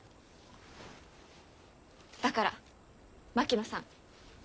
だから槙野さん。